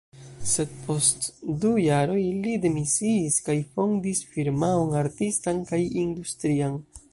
Sed post du jaroj li demisiis kaj fondis firmaon artistan kaj industrian.